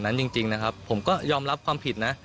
นั้นซึ่งผมก็ยอมรับความปิดนะ